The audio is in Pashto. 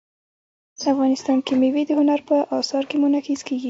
افغانستان کې مېوې د هنر په اثار کې منعکس کېږي.